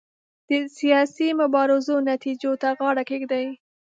د سیاسي مبارزو نتیجو ته غاړه کېږدي.